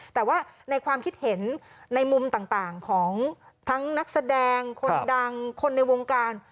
แต่ว่าในความคิดเห็นในมุมต่างของทั้งนักแสดงคนดังคนในวงการ